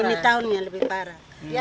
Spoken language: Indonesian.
ini tahun yang lebih parah